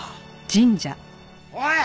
おい！